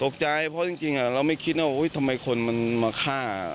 ตกใจเพราะจริงเราไม่คิดว่าทำไมคนมันมาฆ่า